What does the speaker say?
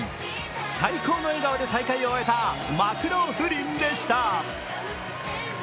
最高の笑顔で大会を終えたマクローフリンでした。